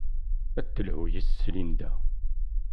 Ad d-telhu yes-s Linda.